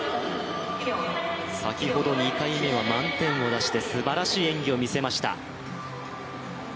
先ほど２回目は満点を出してすばらしい演技をみせました。